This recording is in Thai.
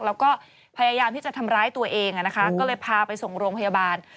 แล้วก็พยายามที่จะทำร้ายตัวเองนะคะก็เลยพาไปส่งโรงพยาบาล